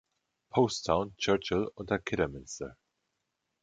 Post Town, Churchill, unter Kidderminster.